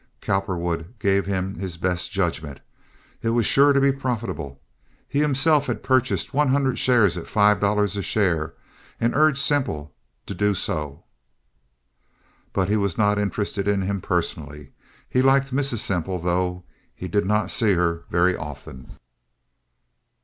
Cowperwood gave him his best judgment. It was sure to be profitable. He himself had purchased one hundred shares at five dollars a share, and urged Semple to do so. But he was not interested in him personally. He liked Mrs. Semple, though he did not see her very often.